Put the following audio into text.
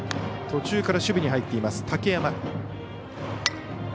途中から守備に入っている竹山。